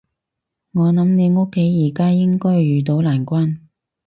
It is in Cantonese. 我諗你屋企而家應該遇到難關